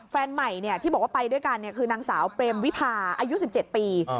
แฟนใหม่เนี่ยที่บอกว่าไปด้วยกันเนี่ยคือนางสาวเปรมวิพาอายุสิบเจ็ดปี